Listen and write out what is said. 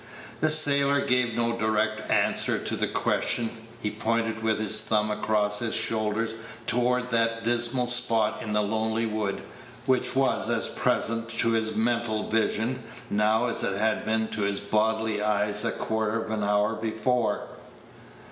The sailor gave no direct answer to the question. He pointed with his thumb across his shoulder toward that dismal spot in the lonely wood, which was as present to his mental vision now as it had been to his bodily eyes a quarter of an hour before.